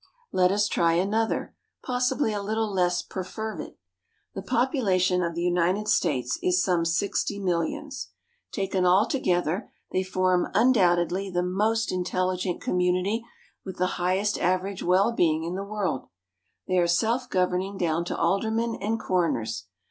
Let us try another, possibly a little less perfervid. The population of the United States is some sixty millions. Taken altogether they form undoubtedly the most intelligent community, with the highest average well being, in the world. They are self governing down to aldermen and coroners.